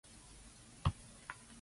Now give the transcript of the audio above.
馬拉松